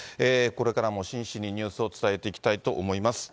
これからも真摯にニュースを伝えていきたいと思います。